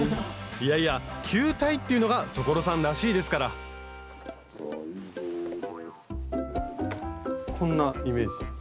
いやいや球体っていうのが所さんらしいですからこんなイメージ。